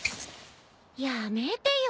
やめてよ。